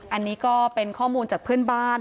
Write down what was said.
อันนี้ก็เป็นข้อมูลจากเพื่อนบ้าน